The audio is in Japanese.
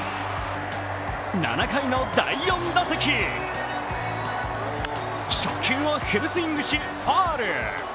７回の第４打席、初球をフルスイングし、ファウル。